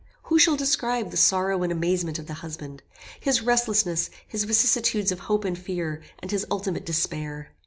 Who shall describe the sorrow and amazement of the husband? His restlessness, his vicissitudes of hope and fear, and his ultimate despair?